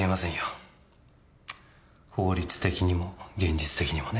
法律的にも現実的にもね。